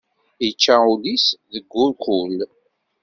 Ičča ul-is deg urkul.